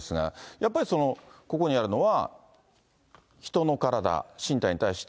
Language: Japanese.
やっぱりここにあるのは、人の体、身体に対して。